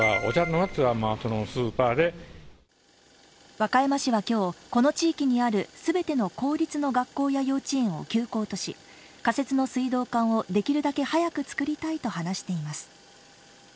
和歌山市は今日この地域にある全ての公立の学校や幼稚園を休校とし、仮設の水道管をできるだけ早く作りたいと話しています。